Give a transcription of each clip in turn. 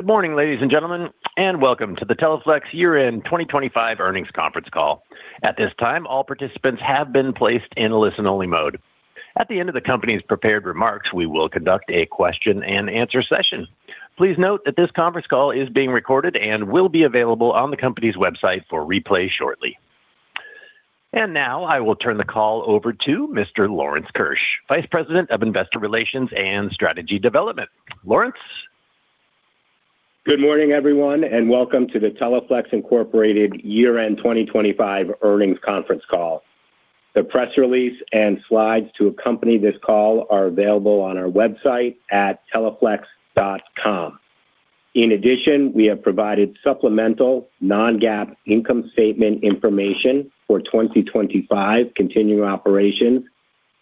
Good morning, ladies and gentlemen, and welcome to the Teleflex year-end 2025 earnings conference call. At this time, all participants have been placed in a listen-only mode. At the end of the company's prepared remarks, we will conduct a question and answer session. Please note that this conference call is being recorded and will be available on the company's website for replay shortly. Now I will turn the call over to Mr. Lawrence Keusch, Vice President of Investor Relations and Strategy Development. Lawrence? Good morning, everyone, and welcome to the Teleflex Incorporated year-end 2025 earnings conference call. The press release and slides to accompany this call are available on our website at teleflex.com. In addition, we have provided supplemental non-GAAP income statement information for 2025 continuing operations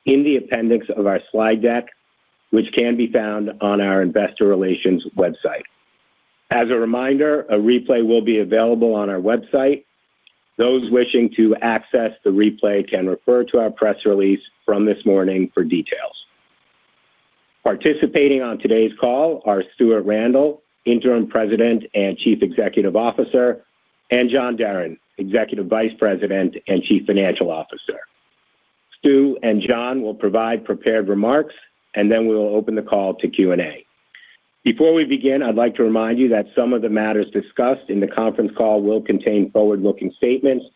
in the appendix of our slide deck, which can be found on our investor relations website. As a reminder, a replay will be available on our website. Those wishing to access the replay can refer to our press release from this morning for details. Participating on today's call are Stuart Randle, Interim President and Chief Executive Officer, and John Deren, Executive Vice President and Chief Financial Officer. Stu and John will provide prepared remarks, and then we will open the call to Q&A. Before we begin, I'd like to remind you that some of the matters discussed in the conference call will contain forward-looking statements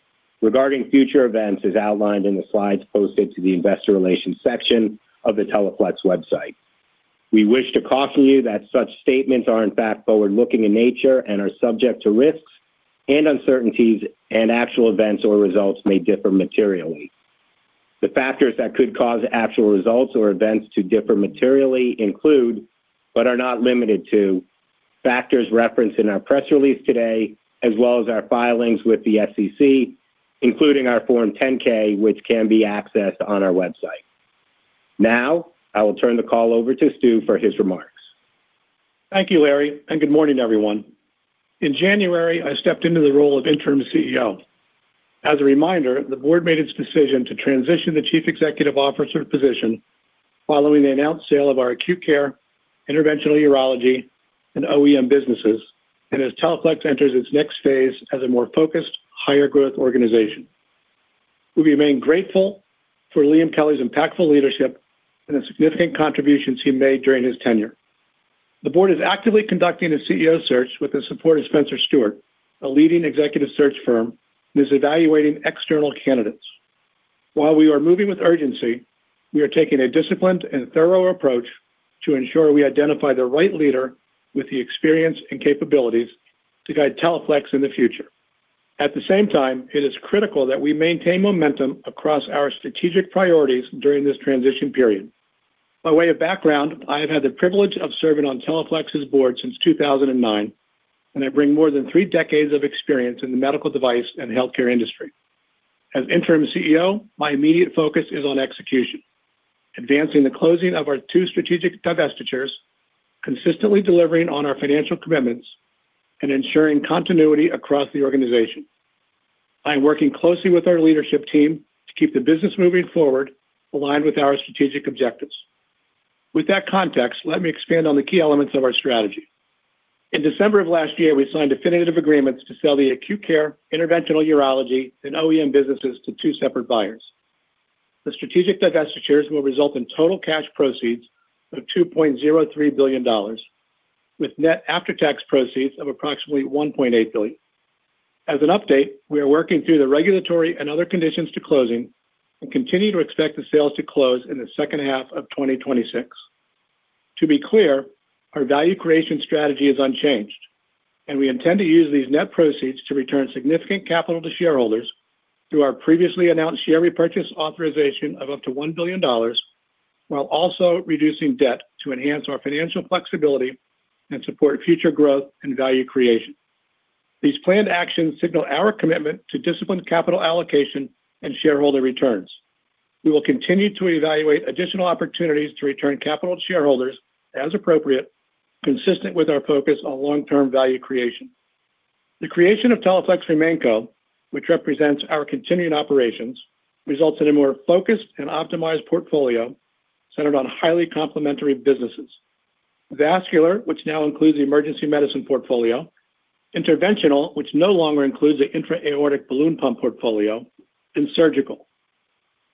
regarding future events, as outlined in the slides posted to the investor relations section of the Teleflex website. We wish to caution you that such statements are in fact forward-looking in nature and are subject to risks and uncertainties, and actual events or results may differ materially. The factors that could cause actual results or events to differ materially include, but are not limited to, factors referenced in our press release today, as well as our filings with the SEC, including our Form 10-K, which can be accessed on our website. Now, I will turn the call over to Stu for his remarks. Thank you, Larry, and good morning, everyone. In January, I stepped into the role of Interim CEO. As a reminder, the board made its decision to transition the Chief Executive Officer position following the announced sale of our Acute Care, Interventional Urology, and OEM businesses, and as Teleflex enters its next phase as a more focused, higher-growth organization. We remain grateful for Liam Kelly's impactful leadership and the significant contributions he made during his tenure. The board is actively conducting a CEO search with the support of Spencer Stuart, a leading executive search firm, and is evaluating external candidates. While we are moving with urgency, we are taking a disciplined and thorough approach to ensure we identify the right leader with the experience and capabilities to guide Teleflex in the future. At the same time, it is critical that we maintain momentum across our strategic priorities during this transition period. By way of background, I have had the privilege of serving on Teleflex's board since 2009. I bring more than three decades of experience in the medical device and healthcare industry. As Interim CEO, my immediate focus is on execution, advancing the closing of our two strategic divestitures, consistently delivering on our financial commitments, and ensuring continuity across the organization. I am working closely with our leadership team to keep the business moving forward, aligned with our strategic objectives. With that context, let me expand on the key elements of our strategy. In December of last year, we signed definitive agreements to sell the Acute Care, Interventional Urology, and OEM businesses to two separate buyers. The strategic divestitures will result in total cash proceeds of $2.03 billion, with net after-tax proceeds of approximately $1.8 billion. As an update, we are working through the regulatory and other conditions to closing and continue to expect the sales to close in the second half of 2026. To be clear, our value creation strategy is unchanged, and we intend to use these net proceeds to return significant capital to shareholders through our previously announced share repurchase authorization of up to $1 billion, while also reducing debt to enhance our financial flexibility and support future growth and value creation. These planned actions signal our commitment to disciplined capital allocation and shareholder returns. We will continue to evaluate additional opportunities to return capital to shareholders as appropriate, consistent with our focus on long-term value creation. The creation of Teleflex RemainCo, which represents our continuing operations, results in a more focused and optimized portfolio centered on highly complementary businesses. Vascular, which now includes the Emergency Medicine portfolio, Interventional, which no longer includes the intra-aortic balloon pump portfolio, and Surgical.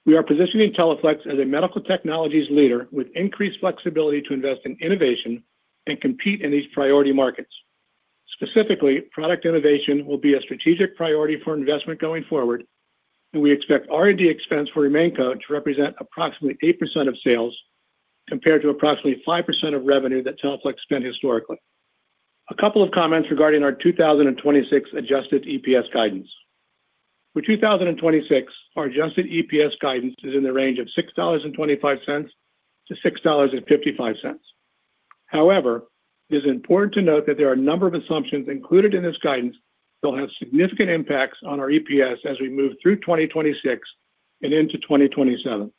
We are positioning Teleflex as a medical technologies leader with increased flexibility to invest in innovation and compete in these priority markets. Specifically, product innovation will be a strategic priority for investment going forward, and we expect R&D expense for RemainCo to represent approximately 8% of sales, compared to approximately 5% of revenue that Teleflex spent historically. A couple of comments regarding our 2026 adjusted EPS guidance. For 2026, our adjusted EPS guidance is in the range of $6.25-$6.55. It is important to note that there are a number of assumptions included in this guidance that will have significant impacts on our EPS as we move through 2026 and into 2027.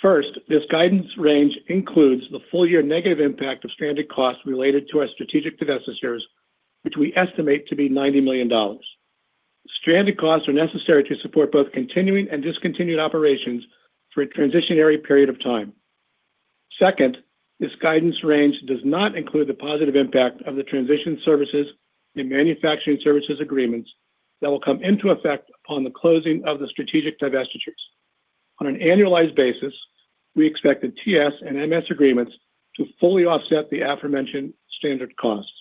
First, this guidance range includes the full-year negative impact of stranded costs related to our strategic divestitures, which we estimate to be $90 million. Stranded costs are necessary to support both continuing and discontinued operations for a transitionary period of time. Second, this guidance range does not include the positive impact of the transition services and manufacturing services agreements that will come into effect upon the closing of the strategic divestitures. On an annualized basis, we expect the TS and MS agreements to fully offset the aforementioned standard costs.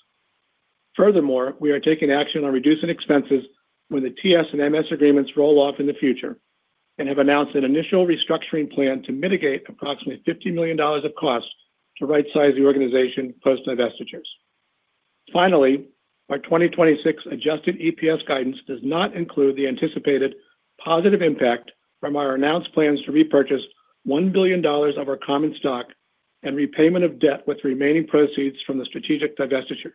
We are taking action on reducing expenses when the TS and MS agreements roll off in the future and have announced an initial restructuring plan to mitigate approximately $50 million of costs to rightsized the organization post-divestitures. Finally, our 2026 adjusted EPS guidance does not include the anticipated positive impact from our announced plans to repurchase $1 billion of our common stock and repayment of debt with remaining proceeds from the strategic divestitures,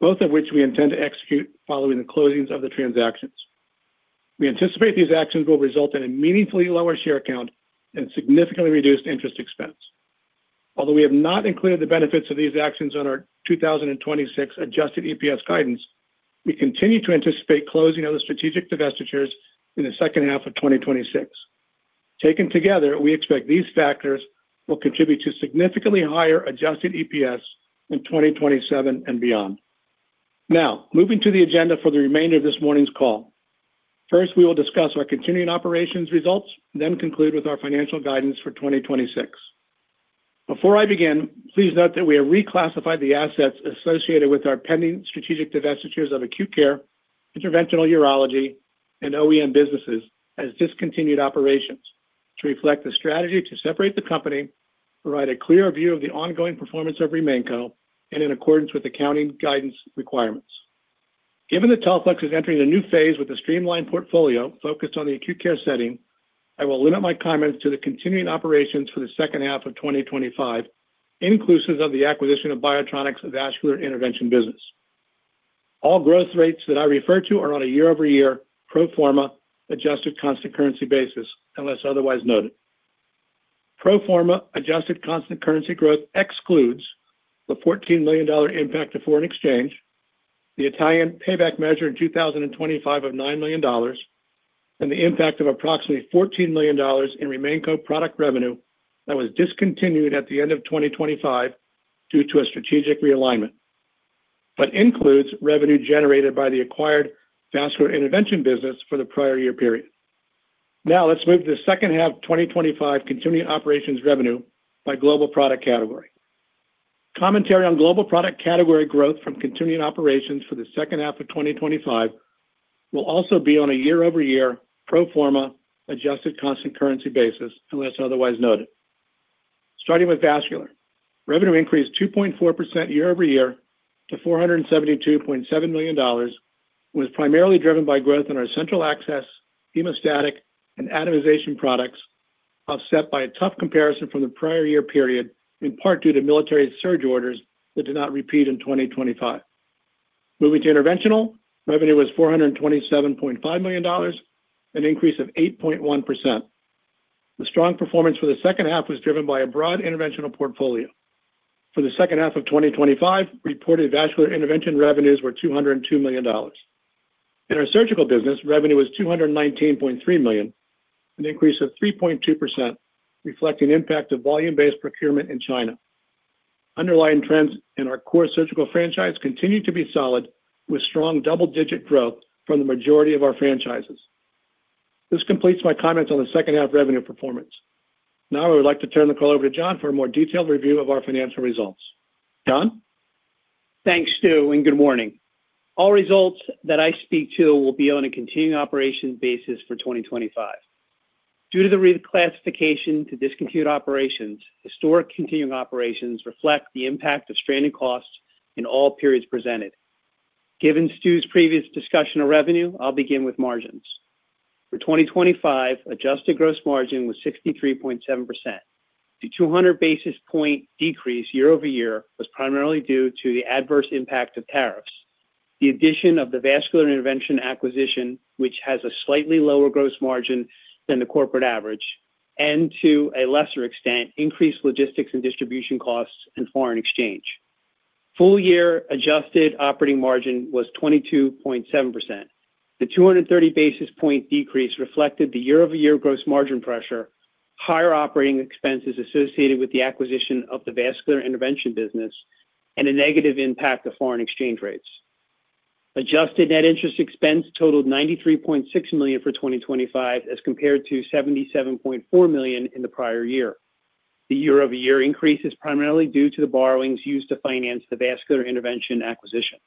both of which we intend to execute following the closings of the transactions. We anticipate these actions will result in a meaningfully lower share count and significantly reduced interest expense. Although we have not included the benefits of these actions on our 2026 adjusted EPS guidance, we continue to anticipate closing of the strategic divestitures in the second half of 2026. Taken together, we expect these factors will contribute to significantly higher adjusted EPS in 2027 and beyond. Moving to the agenda for the remainder of this morning's call. First, we will discuss our continuing operations results, then conclude with our financial guidance for 2026. Please note that we have reclassified the assets associated with our pending strategic divestitures of Acute Care, Interventional Urology, and OEM businesses as discontinued operations to reflect the strategy to separate the company, provide a clearer view of the ongoing performance of RemainCo, and in accordance with accounting guidance requirements. Given that Teleflex is entering a new phase with a streamlined portfolio focused on the Acute Care setting, I will limit my comments to the continuing operations for the second half of 2025, inclusive of the acquisition of BIOTRONIK's Vascular Intervention business. All growth rates that I refer to are on a year-over-year pro forma adjusted constant currency basis, unless otherwise noted. Pro forma adjusted constant currency growth excludes the $14 million impact of foreign exchange, the Italian payback measure in 2025 of $9 million, and the impact of approximately $14 million in RemainCo product revenue that was discontinued at the end of 2025 due to a strategic realignment, but includes revenue generated by the acquired Vascular Intervention business for the prior year period. Now, let's move to the second half of 2025 continuing operations revenue by global product category. Commentary on global product category growth from continuing operations for the second half of 2025 will also be on a year-over-year pro forma adjusted constant currency basis, unless otherwise noted. Starting with vascular. Revenue increased 2.4% year-over-year to $472.7 million, was primarily driven by growth in our Central Access, hemostatic, and atomization products, offset by a tough comparison from the prior year period, in part due to military surge orders that did not repeat in 2025. Moving to Interventional, revenue was $427.5 million, an increase of 8.1%. The strong performance for the second half was driven by a broad Interventional portfolio. For the second half of 2025, reported Vascular Intervention revenues were $202 million. In our Surgical business, revenue was $219.3 million, an increase of 3.2%, reflecting impact of volume-based procurement in China. Underlying trends in our core Surgical franchise continued to be solid, with strong double-digit growth from the majority of our franchises. This completes my comments on the second half revenue performance. I would like to turn the call over to John for a more detailed review of our financial results. John? Thanks, Stu, and good morning. All results that I speak to will be on a continuing operations basis for 2025. Due to the reclassification to discontinued operations, historic continuing operations reflect the impact of stranded costs in all periods presented. Given Stu's previous discussion of revenue, I'll begin with margins. For 2025, adjusted gross margin was 63.7%. The 200 basis point decrease year-over-year was primarily due to the adverse impact of tariffs, the addition of the Vascular Intervention acquisition, which has a slightly lower gross margin than the corporate average, and to a lesser extent, increased logistics and distribution costs and foreign exchange. Full year adjusted operating margin was 22.7%. The 230 basis point decrease reflected the year-over-year gross margin pressure, higher operating expenses associated with the acquisition of the Vascular Intervention business, and a negative impact of foreign exchange rates. Adjusted net interest expense totaled $93.6 million for 2025, as compared to $77.4 million in the prior year. The year-over-year increase is primarily due to the borrowings used to finance the Vascular Intervention acquisition.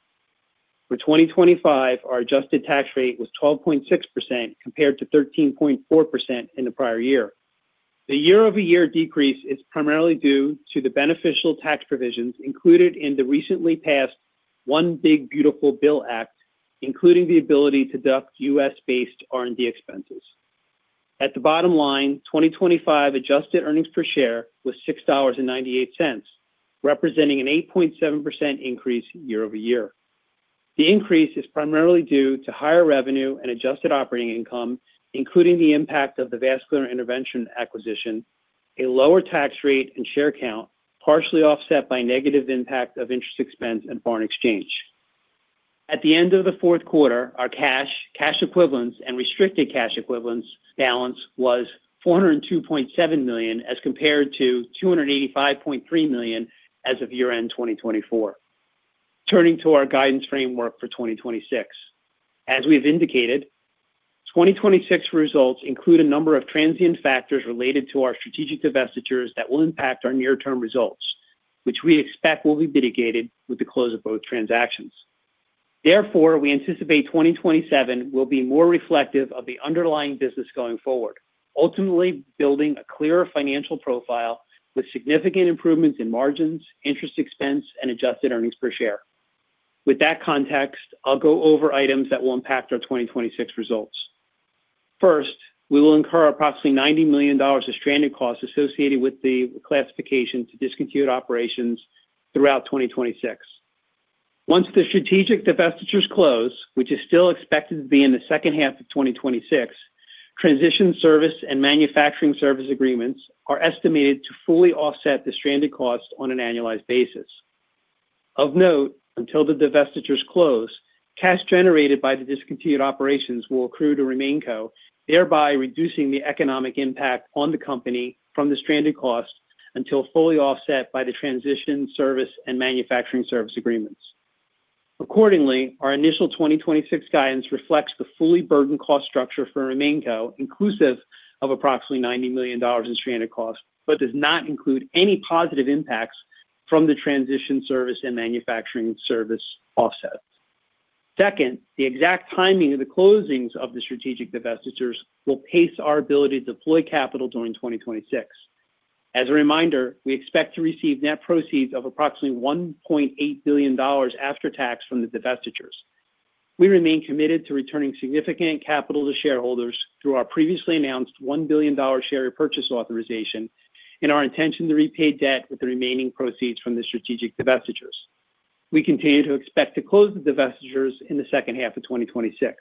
For 2025, our adjusted tax rate was 12.6%, compared to 13.4% in the prior year. The year-over-year decrease is primarily due to the beneficial tax provisions included in the recently passed One Big Beautiful Bill Act, including the ability to deduct U.S.-based R&D expenses. At the bottom line, 2025 adjusted earnings per share was $6.98, representing an 8.7% increase year-over-year. The increase is primarily due to higher revenue and adjusted operating income, including the impact of the Vascular Intervention acquisition. A lower tax rate and share count, partially offset by negative impact of interest expense and foreign exchange. At the end of the fourth quarter, our cash equivalents, and restricted cash equivalents balance was $402.7 million, as compared to $285.3 million as of year-end 2024. Turning to our guidance framework for 2026. As we've indicated, 2026 results include a number of transient factors related to our strategic divestitures that will impact our near-term results, which we expect will be mitigated with the close of both transactions. We anticipate 2027 will be more reflective of the underlying business going forward, ultimately building a clearer financial profile with significant improvements in margins, interest expense, and adjusted earnings per share. With that context, I'll go over items that will impact our 2026 results. We will incur approximately $90 million of stranded costs associated with the classification to discontinued operations throughout 2026. Once the strategic divestitures close, which is still expected to be in the second half of 2026, transition service and manufacturing service agreements are estimated to fully offset the stranded costs on an annualized basis. Until the divestitures close, cash generated by the discontinued operations will accrue to RemainCo, thereby reducing the economic impact on the company from the stranded costs until fully offset by the transition service and manufacturing service agreements. Accordingly, our initial 2026 guidance reflects the fully burdened cost structure for RemainCo, inclusive of approximately $90 million in stranded costs, but does not include any positive impacts from the transition service and manufacturing service offsets. The exact timing of the closings of the strategic divestitures will pace our ability to deploy capital during 2026. As a reminder, we expect to receive net proceeds of approximately $1.8 billion after tax from the divestitures. We remain committed to returning significant capital to shareholders through our previously announced $1 billion share repurchase authorization and our intention to repay debt with the remaining proceeds from the strategic divestitures. We continue to expect to close the divestitures in the second half of 2026.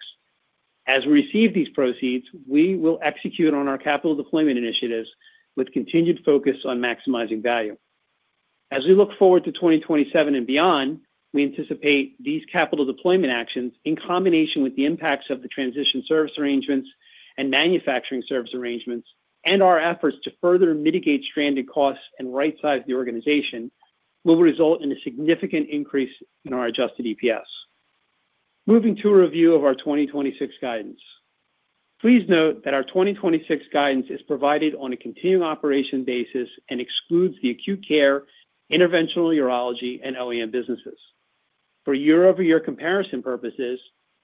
As we receive these proceeds, we will execute on our capital deployment initiatives with continued focus on maximizing value. As we look forward to 2027 and beyond, we anticipate these capital deployment actions, in combination with the impacts of the transition service arrangements and manufacturing service arrangements, and our efforts to further mitigate stranded costs and rightsized the organization, will result in a significant increase in our adjusted EPS. Moving to a review of our 2026 guidance. Please note that our 2026 guidance is provided on a continuing operation basis and excludes the Acute Care, Interventional Urology, and OEM businesses. For year-over-year comparison purposes,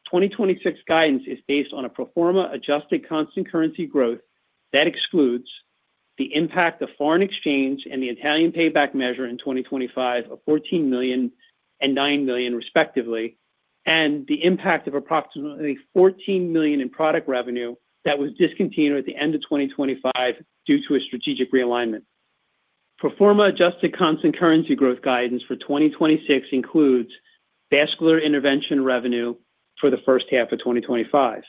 2026 guidance is based on a pro forma adjusted constant currency growth that excludes the impact of foreign exchange and the Italian payback measure in 2025 of $14 million and $9 million, respectively, and the impact of approximately $14 million in product revenue that was discontinued at the end of 2025 due to a strategic realignment. Pro forma adjusted constant currency growth guidance for 2026 includes Vascular Intervention revenue for the first half of 2025.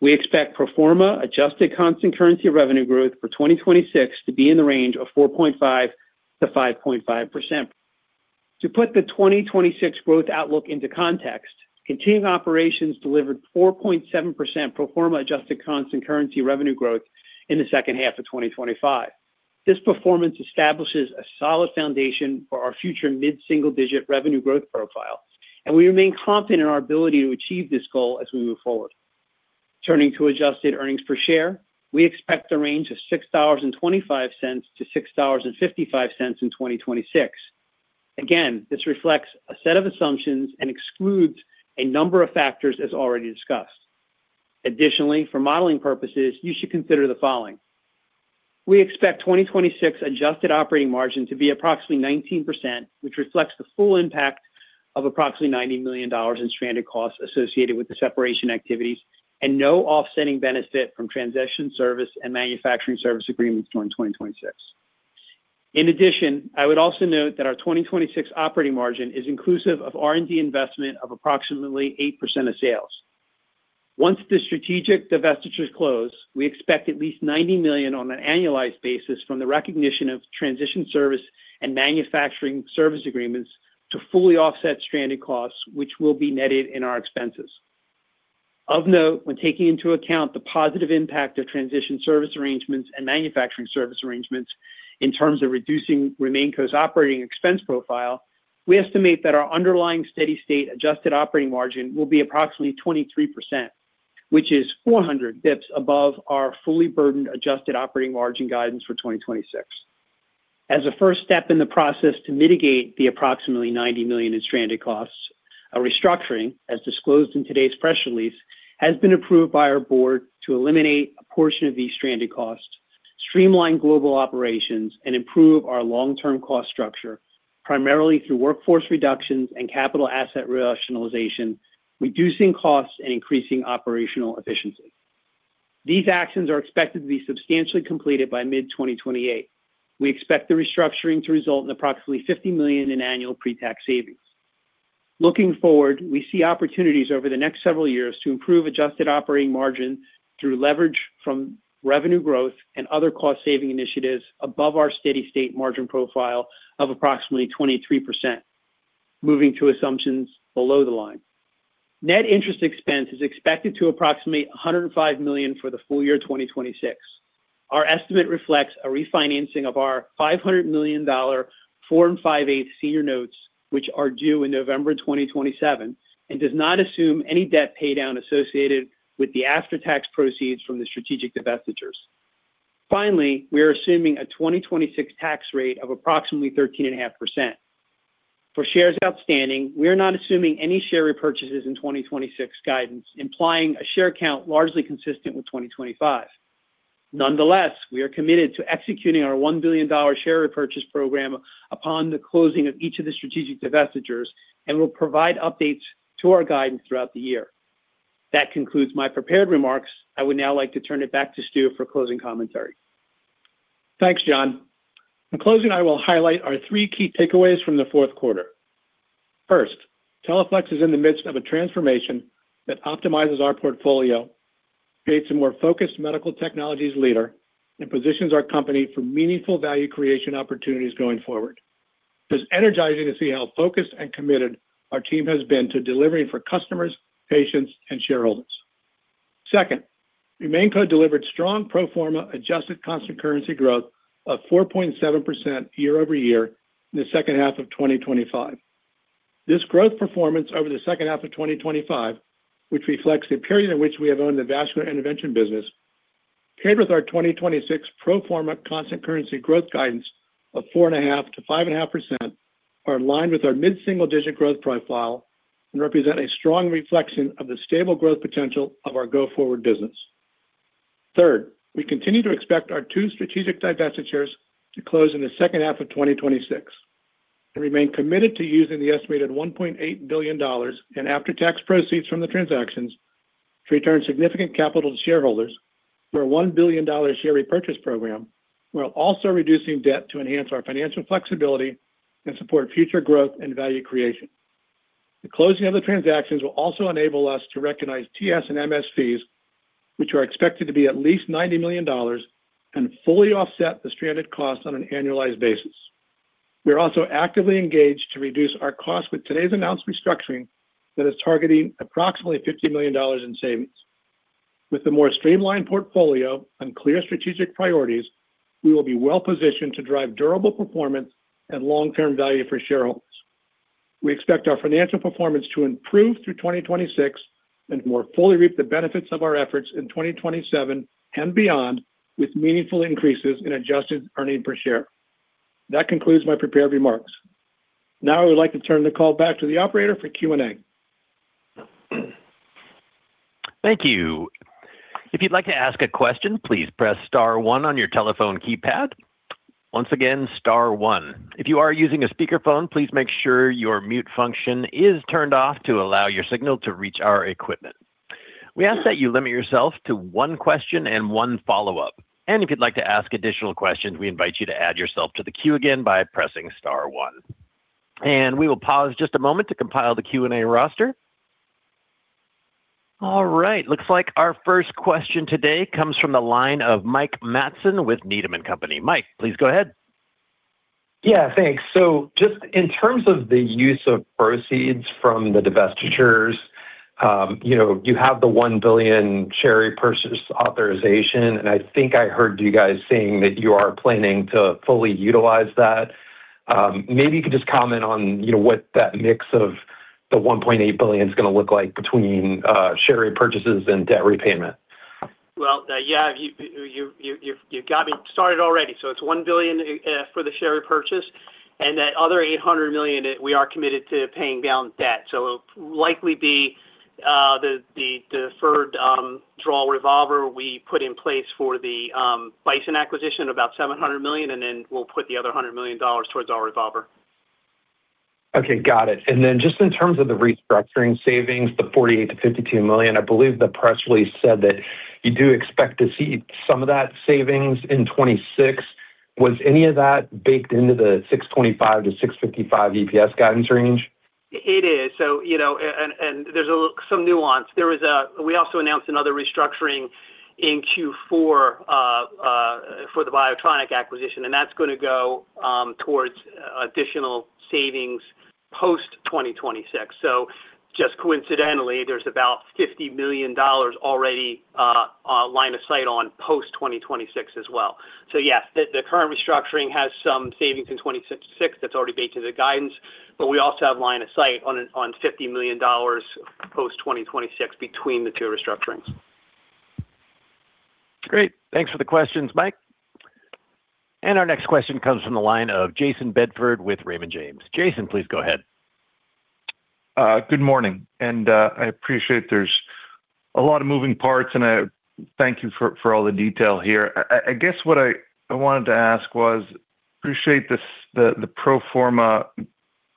We expect pro forma adjusted constant currency revenue growth for 2026 to be in the range of 4.5%-5.5%. To put the 2026 growth outlook into context, continuing operations delivered 4.7% pro forma adjusted constant currency revenue growth in the second half of 2025. This performance establishes a solid foundation for our future mid-single-digit revenue growth profile, and we remain confident in our ability to achieve this goal as we move forward. Turning to adjusted earnings per share, we expect a range of $6.25-$6.55 in 2026. Again, this reflects a set of assumptions and excludes a number of factors, as already discussed. Additionally, for modeling purposes, you should consider the following, we expect 2026 adjusted operating margin to be approximately 19%, which reflects the full impact of approximately $90 million in stranded costs associated with the separation activities and no offsetting benefit from transition service and manufacturing service agreements during 2026. In addition, I would also note that our 2026 operating margin is inclusive of R&D investment of approximately 8% of sales. Once the strategic divestitures close, we expect at least $90 million on an annualized basis from the recognition of transition service and manufacturing service agreements to fully offset stranded costs, which will be netted in our expenses. Of note, when taking into account the positive impact of transition service arrangements and manufacturing service arrangements in terms of reducing RemainCo's operating expense profile, we estimate that our underlying steady-state adjusted operating margin will be approximately 23%, which is 400 bps above our fully burdened adjusted operating margin guidance for 2026. As a first step in the process to mitigate the approximately $90 million in stranded costs, a restructuring, as disclosed in today's press release, has been approved by our board to eliminate a portion of these stranded costs, streamline global operations, and improve our long-term cost structure, primarily through workforce reductions and capital asset rationalization, reducing costs and increasing operational efficiency. These actions are expected to be substantially completed by mid-2028. We expect the restructuring to result in approximately $50 million in annual pre-tax savings. Looking forward, we see opportunities over the next several years to improve adjusted operating margin through leverage from revenue growth and other cost-saving initiatives above our steady-state margin profile of approximately 23%. Moving to assumptions below the line. Net interest expense is expected to approximate $105 million for the full year 2026. Our estimate reflects a refinancing of our $500 million, 4.625% Senior Notes, which are due in November 2027, and does not assume any debt paydown associated with the after-tax proceeds from the strategic divestitures. Finally, we are assuming a 2026 tax rate of approximately 13.5%. For shares outstanding, we are not assuming any share repurchases in 2026 guidance, implying a share count largely consistent with 2025. Nonetheless, we are committed to executing our $1 billion dollar share repurchase program upon the closing of each of the strategic divestitures and will provide updates to our guidance throughout the year. That concludes my prepared remarks. I would now like to turn it back to Stu for closing commentary. Thanks, John. In closing, I will highlight our three key takeaways from the fourth quarter. First, Teleflex is in the midst of a transformation that optimizes our portfolio, creates a more focused medical technologies leader, and positions our company for meaningful value creation opportunities going forward. It is energizing to see how focused and committed our team has been to delivering for customers, patients, and shareholders. Second, RemainCo delivered strong pro forma adjusted constant currency growth of 4.7% year-over-year in the second half of 2025. This growth performance over the second half of 2025, which reflects the period in which we have owned the Vascular Intervention business, paired with our 2026 pro forma constant currency growth guidance of 4.5%-5.5%, are aligned with our mid-single-digit growth profile and represent a strong reflection of the stable growth potential of our go-forward business. Third, we continue to expect our two strategic divestitures to close in the second half of 2026, and remain committed to using the estimated $1.8 billion in after-tax proceeds from the transactions to return significant capital to shareholders through our $1 billion share repurchase program, while also reducing debt to enhance our financial flexibility and support future growth and value creation. The closing of the transactions will also enable us to recognize TS and MS fees, which are expected to be at least $90 million and fully offset the stranded costs on an annualized basis. We are also actively engaged to reduce our costs with today's announced restructuring that is targeting approximately $50 million in savings. With the more streamlined portfolio and clear strategic priorities, we will be well positioned to drive durable performance and long-term value for shareholders. We expect our financial performance to improve through 2026 and more fully reap the benefits of our efforts in 2027 and beyond, with meaningful increases in adjusted earnings per share. That concludes my prepared remarks. Now, I would like to turn the call back to the operator for Q&A. Thank you. If you'd like to ask a question, please press star one on your telephone keypad. Once again, star one. If you are using a speakerphone, please make sure your mute function is turned off to allow your signal to reach our equipment. We ask that you limit yourself to one question and one follow-up. If you'd like to ask additional questions, we invite you to add yourself to the queue again by pressing star one. We will pause just a moment to compile the Q&A roster. All right, looks like our first question today comes from the line of Mike Matson with Needham & Company. Mike, please go ahead. Thanks. Just in terms of the use of proceeds from the divestitures, you know, you have the $1 billion share repurchase authorization, and I think I heard you guys saying that you are planning to fully utilize that. Maybe you could just comment on, you know, what that mix of the $1.8 billion is going to look like between share repurchases and debt repayment. Well, yeah, you've got me started already. It's $1 billion for the share repurchase, and that other $800 million, we are committed to paying down debt. It'll likely be the deferred draw revolver we put in place for the [BIOTRONIK] acquisition, about $700 million, and then we'll put the other $100 million towards our revolver. Okay, got it. Just in terms of the restructuring savings, the $48 million-$52 million, I believe the press release said that you do expect to see some of that savings in 2026. Was any of that baked into the $6.25 and $6.55 EPS guidance range? It is. You know, and, and there's some nuance. We also announced another restructuring in Q4 for the BIOTRONIK acquisition, and that's going to go towards additional savings post-2026. Just coincidentally, there's about $50 million already line of sight on post-2026 as well. Yes, the current restructuring has some savings in 2026 that's already baked to the guidance, but we also have line of sight on $50 million post-2026 between the two restructurings. Great. Thanks for the questions, Mike. Our next question comes from the line of Jayson Bedford with Raymond James. Jayson, please go ahead. Good morning, I appreciate there's a lot of moving parts, and I thank you for all the detail here. I guess what I wanted to ask was, appreciate this, the pro forma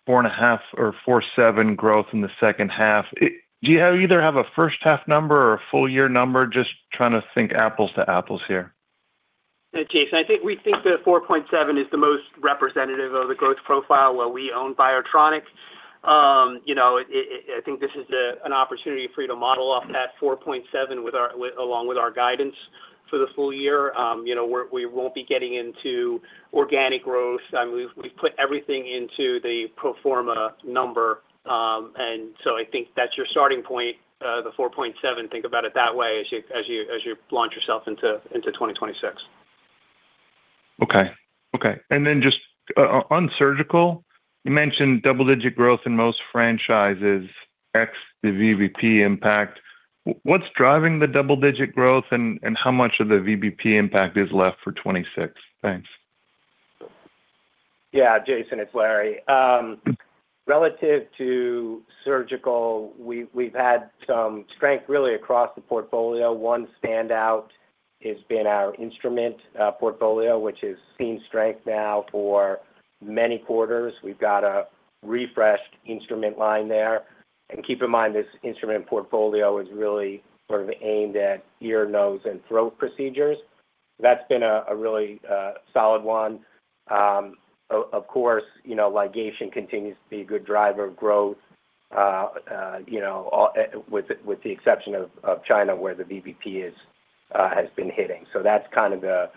4.5% or 4.7% growth in the second half. Do you either have a first half number or a full year number? Just trying to think apples to apples here. Hey, Jayson, I think we think that 4.7% is the most representative of the growth profile while we own BIOTRONIK. You know, it, I think this is an opportunity for you to model off that 4.7% along with our guidance for the full year. You know, we're, we won't be getting into organic growth. We've put everything into the pro forma number. I think that's your starting point, the 4.7%. Think about it that way as you launch yourself into 2026. Okay. Okay, and then just on Surgical, you mentioned double-digit growth in most franchises, ex., the VBP impact. What's driving the double-digit growth and how much of the VBP impact is left for 26? Thanks. Yeah, Jayson, it's Larry. Relative to Surgical, we've had some strength really across the portfolio. One standout has been our instrument portfolio, which has seen strength now for many quarters. We've got a refreshed instrument line there, and keep in mind, this instrument portfolio is really sort of aimed at ear, nose, and throat procedures. That's been a really solid one. Of course, you know, ligation continues to be a good driver of growth, you know, with the exception of China, where the VBP has been hitting. That's kind of the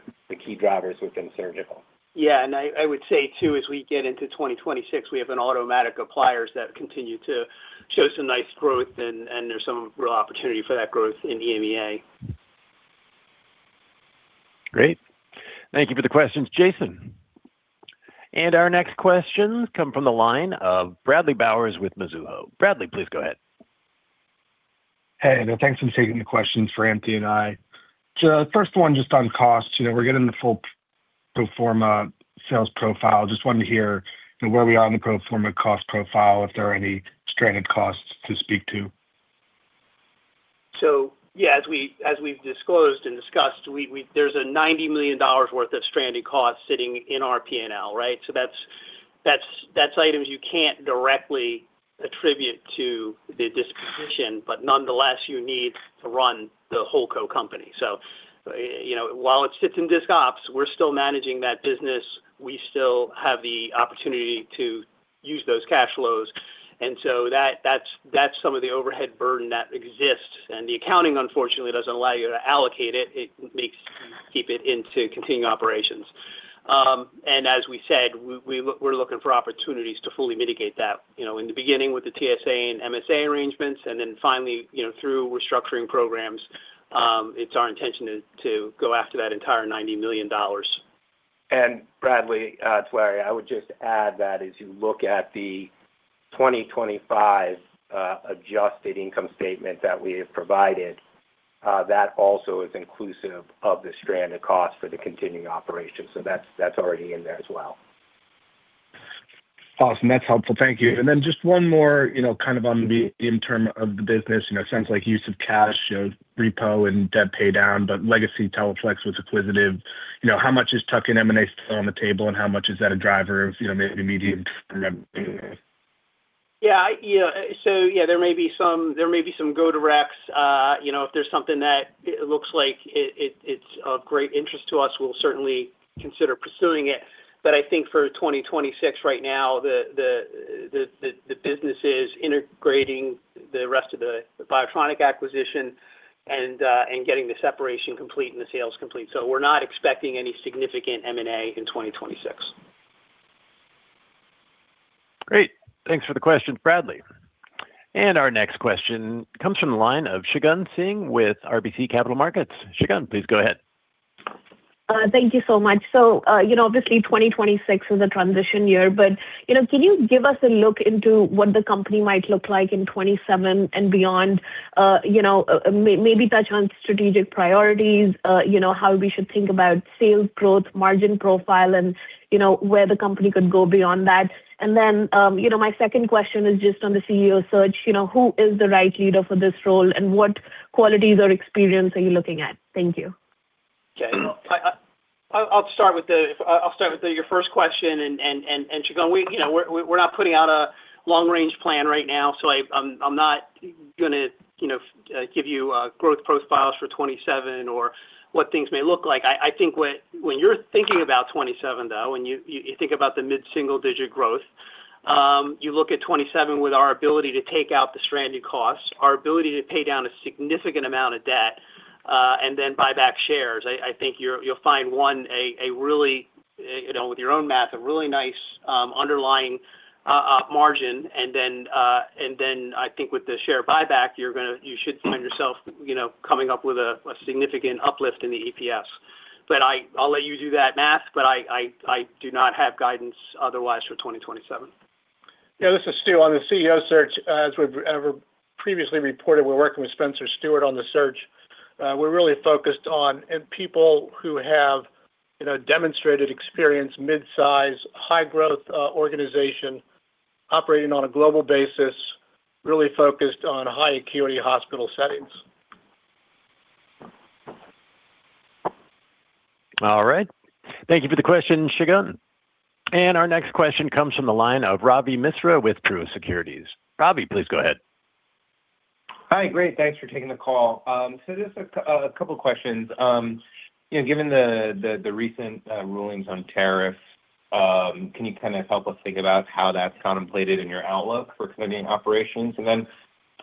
key drivers within Surgical. Yeah, I would say too, as we get into 2026, we have an Automatic Appliers that continue to show some nice growth and there's some real opportunity for that growth in EMEA. Great. Thank you for the questions, Jayson. Our next questions come from the line of Bradley Bowers with Mizuho. Bradley, please go ahead. Hey, thanks for taking the questions for Anthony and I. The first one, just on costs, you know, we're getting the full pro forma sales profile. Just wanted to hear where we are on the pro forma cost profile, if there are any stranded costs to speak to. Yeah, as we, as we've disclosed and discussed, we there's a $90 million worth of stranded costs sitting in our P&L, right. That's items you can't directly attribute to the disposition, but nonetheless, you need to run the whole company. You know, while it sits in this ops, we're still managing that business. We still have the opportunity to use those cash flows, and so that's some of the overhead burden that exists. The accounting, unfortunately, doesn't allow you to allocate it. It makes you keep it into continuing operations. As we said, we're looking for opportunities to fully mitigate that, you know, in the beginning with the TSA and MSA arrangements, and then finally, you know, through restructuring programs, it's our intention to go after that entire $90 million. Bradley, it's Larry, I would just add that as you look at the 2025, adjusted income statement that we have provided, that also is inclusive of the stranded cost for the continuing operation. That's already in there as well. Awesome. That's helpful. Thank you. Just one more, you know, kind of on the in term of the business, you know, sounds like use of cash, you know, repo and debt pay down, but legacy Teleflex was acquisitive. How much is stuck in M&A still on the table, and how much is that a driver of, you know, maybe medium term? Yeah, I, you know. Yeah, there may be some, there may be some go-to recs. You know, if there's something that looks like it's of great interest to us, we'll certainly consider pursuing it. I think for 2026 right now, the business is integrating the rest of the BIOTRONIK acquisition and getting the separation complete and the sales complete. We're not expecting any significant M&A in 2026. Great. Thanks for the questions, Bradley. Our next question comes from the line of Shagun Singh with RBC Capital Markets. Shagun, please go ahead. Thank you so much. You know, obviously, 2026 is a transition year, but, you know, can you give us a look into what the company might look like in 2027 and beyond? You know, maybe touch on strategic priorities, you know, how we should think about sales growth, margin profile, and you know, where the company could go beyond that. You know, my second question is just on the CEO search. You know, who is the right leader for this role, and what qualities or experience are you looking at? Thank you. Okay. I'll start with your first question, and, Shagun, we, you know, we're not putting out a long-range plan right now, so I'm not gonna, you know, give you growth profiles for 2027 or what things may look like. I think when you're thinking about 2027, though, when you think about the mid-single-digit growth, you look at 2027 with our ability to take out the stranded costs, our ability to pay down a significant amount of debt, and then buy back shares. I think you'll find, one, a really, you know, with your own math, a really nice underlying margin. I think with the share buyback, you should find yourself, you know, coming up with a significant uplift in the EPS. I'll let you do that math, but I do not have guidance otherwise for 2027. Yeah, this is Stu. On the CEO search, as we've previously reported, we're working with Spencer Stuart on the search. We're really focused on, and people who have, you know, demonstrated experience, mid-size, high-growth, organization, operating on a global basis, really focused on high acuity hospital settings. All right. Thank you for the question, Shagun. Our next question comes from the line of Ravi Misra with Truist Securities. Ravi, please go ahead. Hi, great. Thanks for taking the call. Just a couple of questions. You know, given the recent rulings on tariffs, can you kind of help us think about how that's contemplated in your outlook for continuing operations?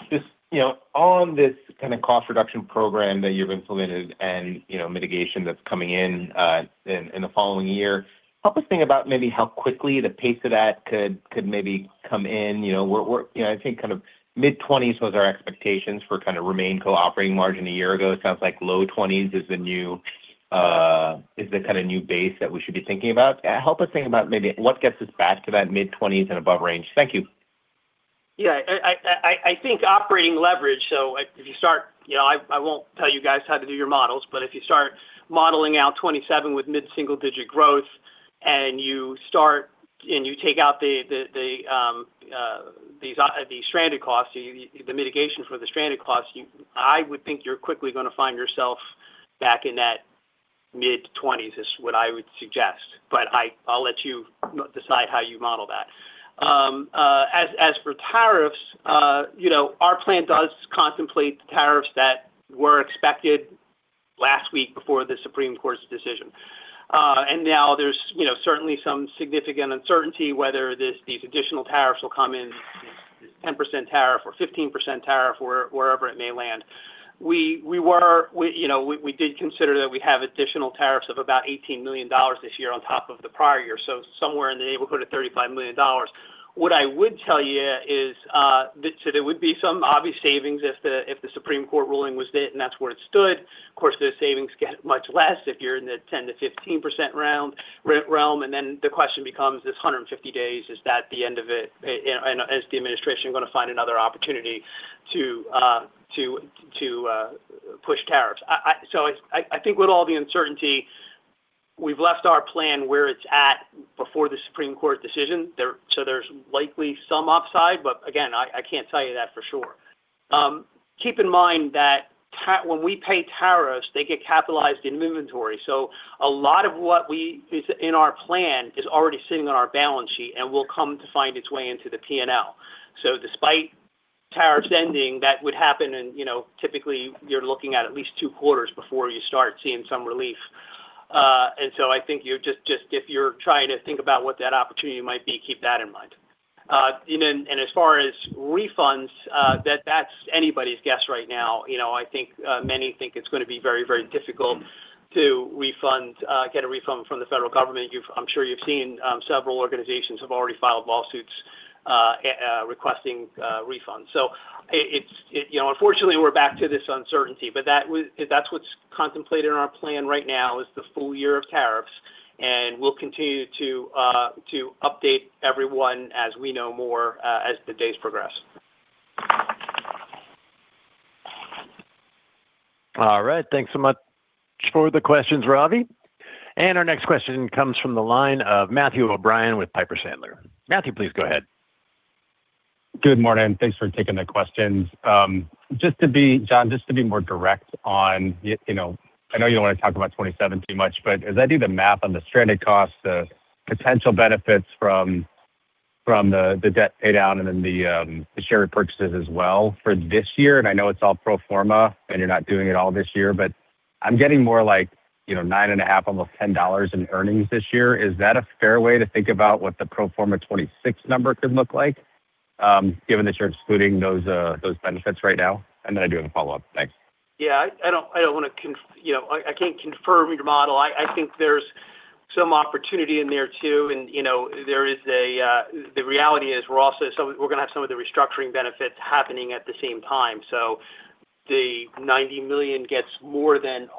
Just, you know, on this kind of cost reduction program that you've implemented and, you know, mitigation that's coming in in the following year, help us think about maybe how quickly the pace of that could maybe come in. You know, I think kind of mid-20s was our expectations for kind of RemainCo operating margin a year ago. It sounds like low-20s is the new, is the kind of new base that we should be thinking about. Help us think about maybe what gets us back to that mid-20s and above range. Thank you. Yeah, I think operating leverage, so if you start, you know, I won't tell you guys how to do your models, but if you start modeling out 2027 with mid-single-digit growth, and you start, and you take out the, these, the stranded costs, the mitigation for the stranded costs, I would think you're quickly gonna find yourself back in that mid-20s, is what I would suggest. But I'll let you decide how you model that. As for tariffs, you know, our plan does contemplate the tariffs that were expected last week before the Supreme Court's decision. Now there's, you know, certainly some significant uncertainty whether this, these additional tariffs will come in, 10% tariff or 15% tariff or wherever it may land. We, you know, we did consider that we have additional tariffs of about $18 million this year on top of the prior year, so somewhere in the neighborhood of $35 million. What I would tell you is, so there would be some obvious savings if the, if the Supreme Court ruling was it, and that's where it stood. Of course, the savings get much less if you're in the 10%-15% round, realm, and then the question becomes, this 150 days, is that the end of it? Is the administration gonna find another opportunity to push tariffs? I think with all the uncertainty, we've left our plan where it's at before the Supreme Court decision. There's likely some upside, but again, I can't tell you that for sure. Keep in mind that when we pay tariffs, they get capitalized in inventory. A lot of what is in our plan is already sitting on our balance sheet and will come to find its way into the P&L. Despite tariffs ending, that would happen and, you know, typically, you're looking at at least two quarters before you start seeing some relief. I think you're just if you're trying to think about what that opportunity might be, keep that in mind. As far as refunds, that's anybody's guess right now. You know, I think many think it's gonna be very, very difficult to refund, get a refund from the federal government. I'm sure you've seen, several organizations have already filed lawsuits, requesting refunds. It's, you know, unfortunately, we're back to this uncertainty, but that's what's contemplated in our plan right now, is the full year of tariffs, we'll continue to update everyone as we know more, as the days progress. All right. Thanks so much for the questions, Ravi. Our next question comes from the line of Matthew O'Brien with Piper Sandler. Matthew, please go ahead. Good morning. Thanks for taking the questions. just to be, John, just to be more direct on, you know, I know you don't want to talk about 2027 much, but as I do the math on the stranded costs, the potential benefits from the debt pay down and then the share repurchases as well for this year, and I know it's all pro forma, and you're not doing it all this year, but I'm getting more like, you know, $9.50, almost $10 in earnings this year. Is that a fair way to think about what the pro forma 2026 number could look like, given that you're excluding those benefits right now? I do have a follow-up. Thanks. I don't, I don't wanna you know, I can't confirm your model. I think there's some opportunity in there, too, and, you know, there is a. The reality is, we're also, so we're gonna have some of the restructuring benefits happening at the same time. The $90 million gets more than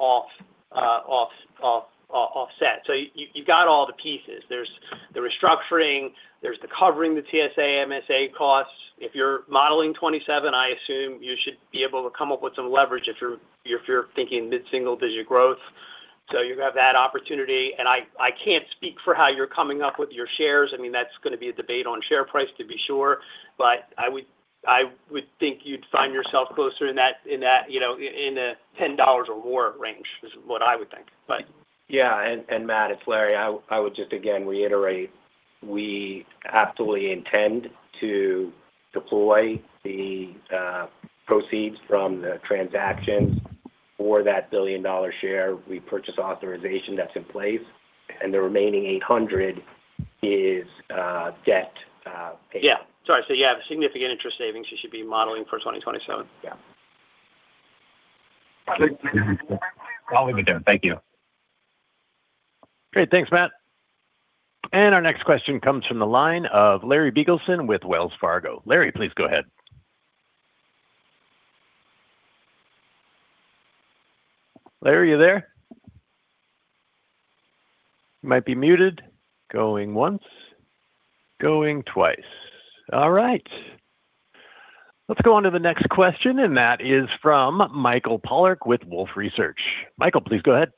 offset. You, you got all the pieces. There's the restructuring, there's the covering the TSA, MSA costs. If you're modeling 2027, I assume you should be able to come up with some leverage if you're, if you're thinking mid-single-digit growth. You have that opportunity, and I can't speak for how you're coming up with your shares. I mean, that's gonna be a debate on share price, to be sure. I would think you'd find yourself closer in that, you know, in a $10 or more range, is what I would think. Yeah, Matt, it's Larry. I would just again reiterate, we absolutely intend to deploy the proceeds from the transactions for that billion-dollar share. We purchase authorization that's in place. The remaining $800 million is debt payment. Sorry, you have significant interest savings you should be modeling for 2027. Yeah. I'll leave it there. Thank you. Great. Thanks, Matt. Our next question comes from the line of Larry Biegelsen with Wells Fargo. Larry, please go ahead. Larry, are you there? You might be muted. Going once, going twice. All right. Let's go on to the next question, and that is from Michael Polark with Wolfe Research. Michael, please go ahead.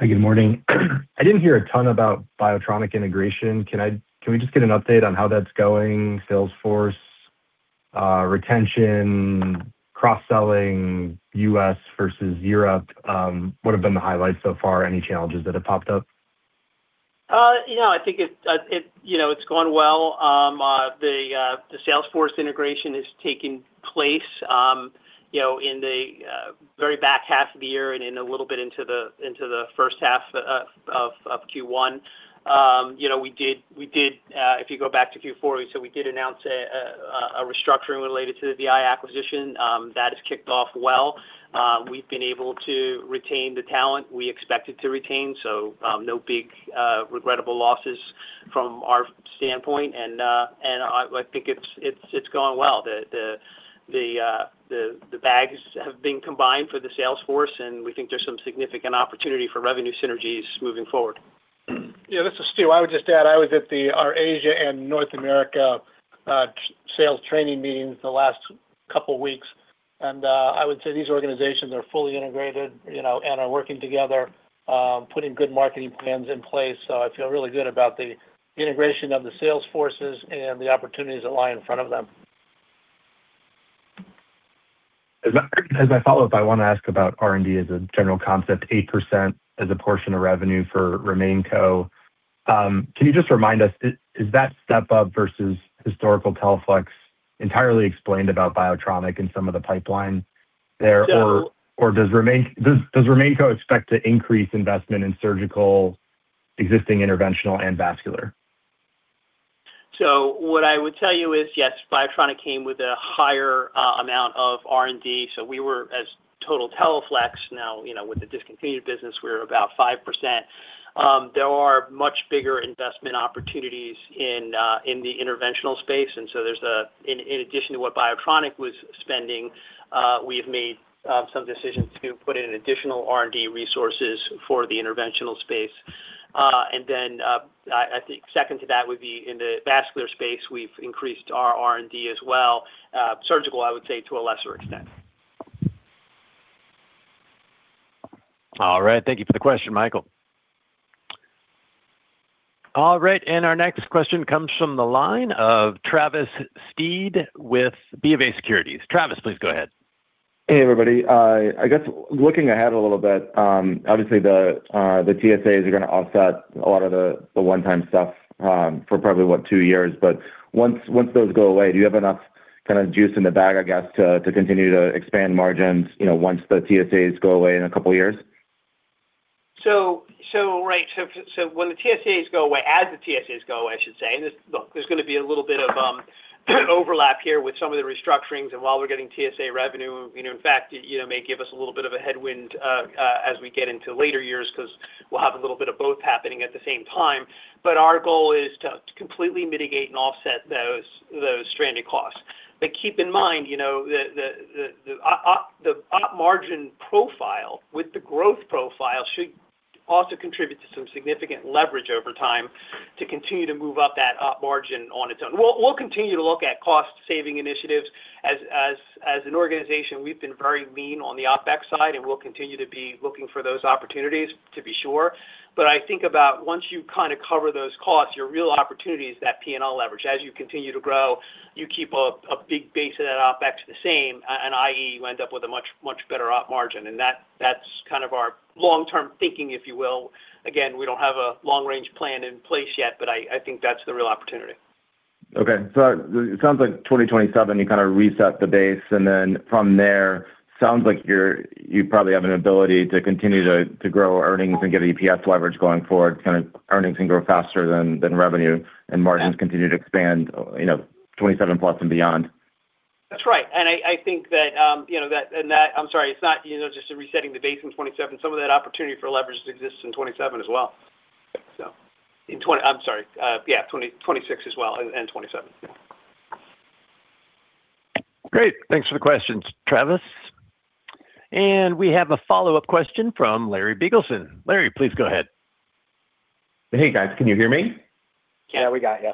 Hi, good morning. I didn't hear a ton about BIOTRONIK integration. Can we just get an update on how that's going? Salesforce, retention, cross-selling, U.S. versus Europe, what have been the highlights so far? Any challenges that have popped up? You know, I think it, you know, it's going well. The sales force integration is taking place, you know, in the very back half of the year and in a little bit into the first half of Q1. You know, if you go back to Q4, we did announce a restructuring related to the VI acquisition, that has kicked off well. We've been able to retain the talent we expected to retain, so no big regrettable losses from our standpoint. I think it's going well. The bags have been combined for the sales force, and we think there's some significant opportunity for revenue synergies moving forward. This is Stu. I would just add, I was at the our Asia and North America sales training meetings the last couple of weeks, I would say these organizations are fully integrated, you know, and are working together, putting good marketing plans in place. I feel really good about the integration of the sales forces and the opportunities that lie in front of them. As I follow up, I want to ask about R&D as a general concept, 8% as a portion of revenue for RemainCo. Can you just remind us, is that step up versus historical Teleflex entirely explained about BIOTRONIK and some of the pipeline there? Does RemainCo expect to increase investment in Surgical, existing Interventional, and Vascular? What I would tell you is, yes, BIOTRONIK came with a higher amount of R&D, so we were as total Teleflex now, you know, with the discontinued business, we're about 5%. There are much bigger investment opportunities in the interventional space, in addition to what BIOTRONIK was spending, we have made some decisions to put in additional R&D resources for the interventional space. I think second to that would be in the vascular space, we've increased our R&D as well. Surgical, I would say, to a lesser extent. All right, thank you for the question, Michael. All right, our next question comes from the line of Travis Steed with BofA Securities. Travis, please go ahead. Hey, everybody. I guess looking ahead a little bit, obviously, the TSAs are going to offset a lot of the one-time stuff, for probably, what, two years. Once those go away, do you have enough kind of juice in the bag, I guess, to continue to expand margins, you know, once the TSAs go away in a couple of years? Right. When the TSAs go away, as the TSAs go away, I should say, look, there's going to be a little bit of overlap here with some of the restructurings and while we're getting TSA revenue, you know, in fact, it, you know, may give us a little bit of a headwind as we get into later years, because we'll have a little bit of both happening at the same time. Our goal is to completely mitigate and offset those stranded costs. Keep in mind, you know, the op margin profile with the growth profile should also contribute to some significant leverage over time to continue to move up that op margin on its own. We'll continue to look at cost-saving initiatives. As an organization, we've been very lean on the OpEx side, and we'll continue to be looking for those opportunities, to be sure. I think about once you kind of cover those costs, your real opportunity is that P&L leverage. You continue to grow, you keep a big base of that OpEx the same, i.e., you end up with a much, much better op margin, and that's kind of our long-term thinking, if you will. We don't have a long-range plan in place yet, but I think that's the real opportunity. It sounds like 2027, you kind of reset the base, and then from there, sounds like you probably have an ability to continue to grow earnings and get EPS leverage going forward, kind of earnings can grow faster than revenue, margins continue to expand, you know, 27%+ and beyond. That's right. I think that, you know, that, I'm sorry, it's not, you know, just resetting the base in 2027. Some of that opportunity for leverage exists in 2027 as well. I'm sorry, yeah, 2026 as well and 2027. Great. Thanks for the questions, Travis. We have a follow-up question from Larry Biegelsen. Larry, please go ahead. Hey, guys, can you hear me? Yeah, we got you.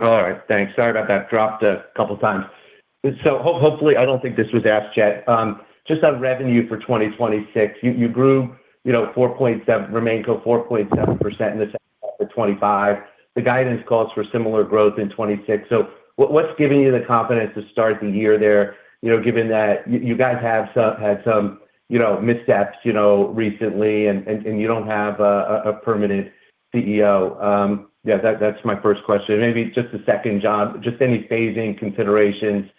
All right. Thanks. Sorry about that. Dropped a couple of times. Hopefully, I don't think this was asked yet. Just on revenue for 2026, you grew, you know, RemainCo 4.7 percentage in the second half of 2025. The guidance calls for similar growth in 2026. What's giving you the confidence to start the year there, you know, given that you guys had some, you know, missteps, you know, recently, and you don't have a permanent CEO? Yeah, that's my first question. Maybe just a second, John. Just any phasing considerations,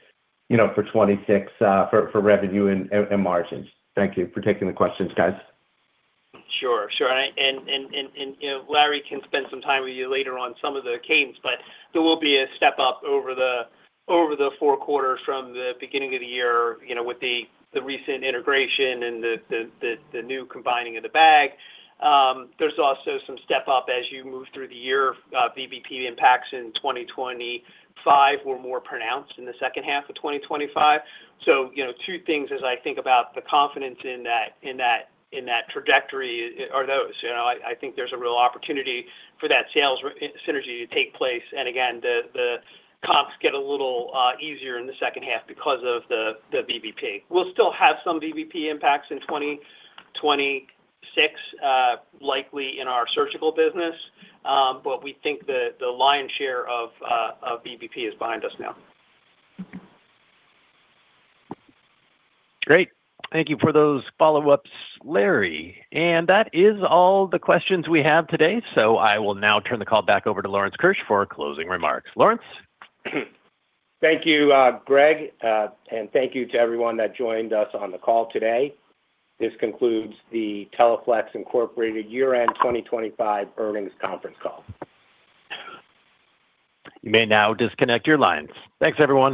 you know, for 2026, for revenue and margins. Thank you for taking the questions, guys. Sure. You know, Larry can spend some time with you later on some of the [gains], but there will be a step up over the four quarters from the beginning of the year, you know, with the recent integration and the new combining of the bag. There's also some step up as you move through the year. VBP impacts in 2025 were more pronounced in the second half of 2025. You know, two things as I think about the confidence in that trajectory are those. You know, I think there's a real opportunity for that sales synergy to take place. Again, the comps get a little easier in the second half because of the VBP. We'll still have some VBP impacts in 2026, likely in our Surgical business, but we think the lion's share of VBP is behind us now. Great. Thank you for those follow-ups, Larry. That is all the questions we have today. I will now turn the call back over to Lawrence Keusch for closing remarks. Lawrence? Thank you, Greg, and thank you to everyone that joined us on the call today. This concludes the Teleflex Incorporated year-end 2025 earnings conference call. You may now disconnect your lines. Thanks, everyone.